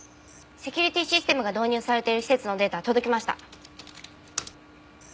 セキュリティーシステムが導入されている施設のデータ届きました。